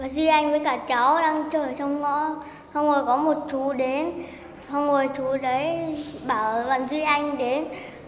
duy anh với cả cháu đang chơi ở trong ngõ hôm nay có một chú đến hôm nay chú đấy bảo duy anh đến